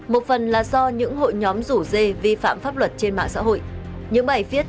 một phần là do những hội nhóm rủ dê vi phạm pháp luật trên mạng xã hội